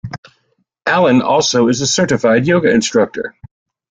Allen also is a certified yoga instructor.